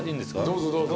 どうぞどうぞ。